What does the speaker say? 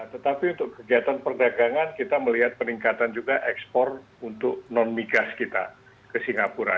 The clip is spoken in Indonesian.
tetapi untuk kegiatan perdagangan kita melihat peningkatan juga ekspor untuk non migas kita ke singapura